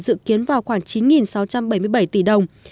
dự kiến vào khoảng chín sáu trăm bảy mươi bảy tỷ đồng